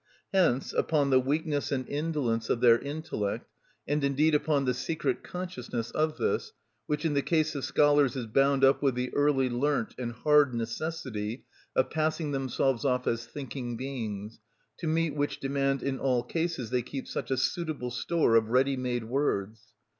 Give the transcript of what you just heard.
Hence upon the weakness and indolence of their intellect, and indeed upon the secret consciousness of this, which in the case of scholars is bound up with the early learnt and hard necessity of passing themselves off as thinking beings, to meet which demand in all cases they keep such a suitable store of ready made words.